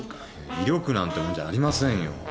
威力なんてもんじゃありませんよ。